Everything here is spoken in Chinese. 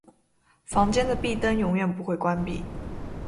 房间的壁灯永远不会关闭。